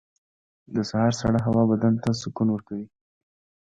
• د سهار سړه هوا بدن ته سکون ورکوي.